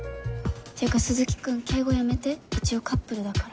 っていうか鈴木君敬語やめて一応カップルだから。